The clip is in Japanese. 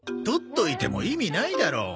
取っといても意味ないだろ。